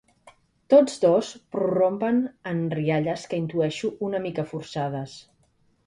Tots dos prorrompen en riallades que intueixo una mica forçades.